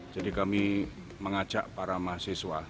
jadi kami mengajak para mahasiswa